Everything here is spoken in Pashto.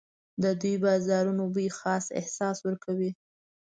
د دوی د بازارونو بوی خاص احساس ورکوي.